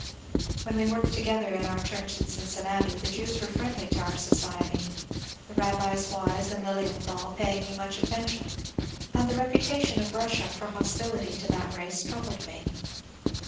When we worked together in our church in Cincinnati the Jews were friendly to our society, the Rabbis Wise and Lilienthal paying me much attention, and the reputation of Russia for hostility to that race troubled me.